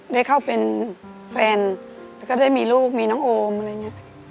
ได้เข้าเป็นแฟนแล้วก็ได้มีลูกมีน้องโอมอะไรอย่างนี้